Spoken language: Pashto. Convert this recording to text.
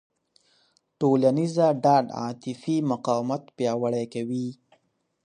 ټولنیزه ډاډ عاطفي مقاومت پیاوړی کوي.